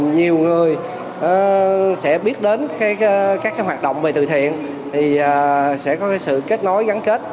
nhiều người sẽ biết đến các hoạt động về từ thiện thì sẽ có sự kết nối gắn kết